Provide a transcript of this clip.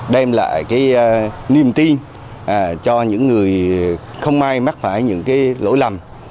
đem lại niềm tin cho những người không ai mắc phải những lỗi lầm